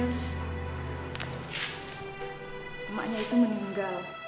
emaknya itu meninggal